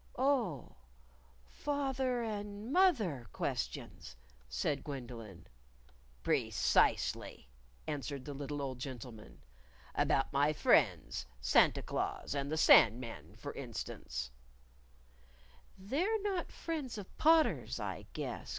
"Oh, fath er and moth er questions," said Gwendolyn. "Precisely," answered the little old gentleman; " about my friends, Santa Claus and the Sand Man, for instance " "They're not friends of Potter's, I guess.